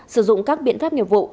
sử dụng các biện pháp nghiệp vụ